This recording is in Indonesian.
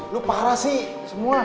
lo parah sih semua